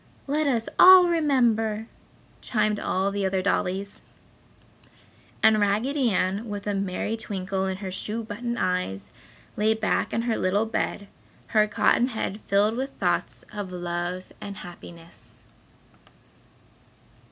"Let us all remember," chimed all the other dollies. And Raggedy Ann, with a merry twinkle in her shoe button eyes, lay back in her little bed, her cotton head filled with thoughts of love and happiness.